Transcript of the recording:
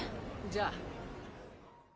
じゃあ。